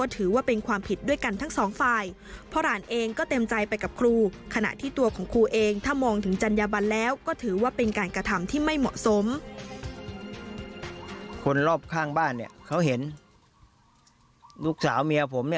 ที่ไม่เหมาะสม